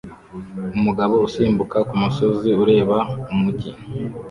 Umugabo usimbukira kumusozi ureba umujyi